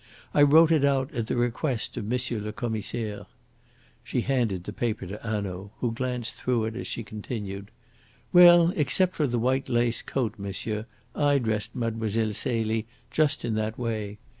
"I wrote it out at the request of M. le Commissaire." She handed the paper to Hanaud, who glanced through it as she continued. "Well, except for the white lace coat, monsieur, I dressed Mlle. Celie just in that way.